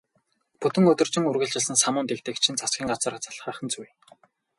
Бүтэн өдөржин үргэлжилсэн самуун дэгдээгчдийг засгийн газар залхаах нь зүй.